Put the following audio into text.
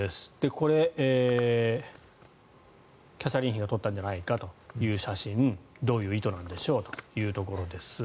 これ、キャサリン妃が撮ったんじゃないかという写真どういう意図なんでしょうというところです。